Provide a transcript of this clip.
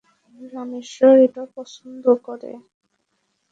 রামেশ্বর এটা পছন্দ করে।